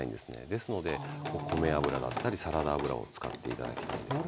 ですので米油だったりサラダ油を使って頂きたいんですね。